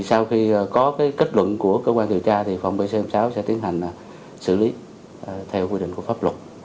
sau khi có kết luận của cơ quan cảnh sát điều tra thì phòng pcm sáu sẽ tiến hành xử lý theo quy định của pháp luật